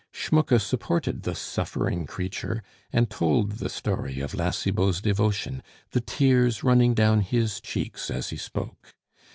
Schmucke supported the suffering creature, and told the story of La Cibot's devotion, the tears running down his cheeks as he spoke.